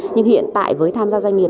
nhưng hiện tại với tham gia doanh nghiệp